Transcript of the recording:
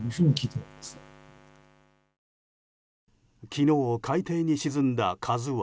昨日、海底に沈んだ「ＫＡＺＵ１」。